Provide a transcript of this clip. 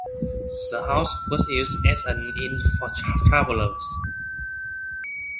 The house was used as an inn for travelers.